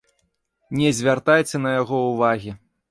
Не звяртайце на яго ўвагі.